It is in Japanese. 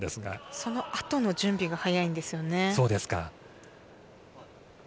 その後の準備が速いんですよ